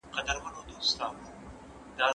سیاست درې ډوله قدرت لري.